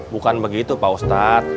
bukan begitu pak ustad